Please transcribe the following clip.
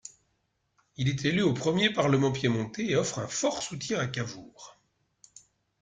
Il est élu au premier parlement piémontais et offre un fort soutien à Cavour.